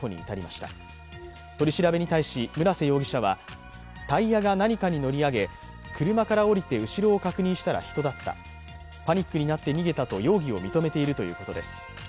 取り調べに対し、村瀬容疑者は、タイヤが何かに乗り上げ、車から降りて後ろを確認したら人だった、パニックになって逃げたと容疑を認めているということです。